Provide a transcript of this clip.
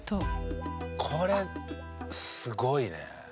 これすごいね。